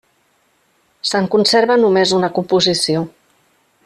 Se'n conserva només una composició.